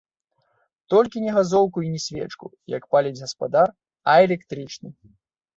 Толькі не газоўку і не свечку, як паліць гаспадар, а электрычны.